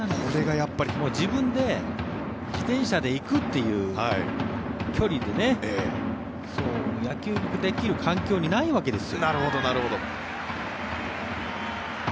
自分で自転車で行くという距離で野球できる環境にないわけですよ。